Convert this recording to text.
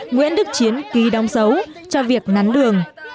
nguyễn đức chiến ký đóng dấu cho việc nắn đường